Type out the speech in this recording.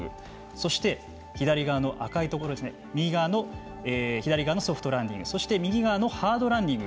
そして左側の赤いところ左側のソフトランディング、右側のハードランディング。